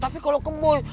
tapi kalau ke boy